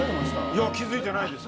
いや気付いてないです。